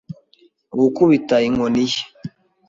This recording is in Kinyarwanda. gukubita inkoni ye